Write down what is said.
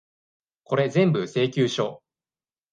これぜんぶ、請求書。